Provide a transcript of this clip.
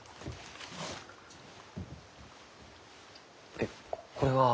えっこれは。